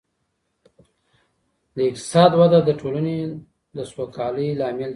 د اقتصاد وده د ټولني د سوکالۍ لامل کيږي.